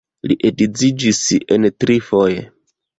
Li edziĝis en trifoje.